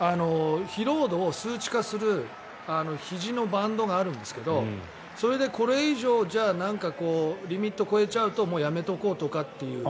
疲労度を数値化するひじのバンドがあるんですけどそれでこれ以上リミットを超えちゃうともうやめておこうとかっていう。